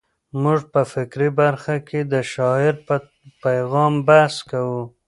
موږ په فکري برخه کې د شاعر په پیغام بحث کوو.